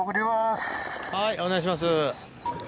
はいお願いします。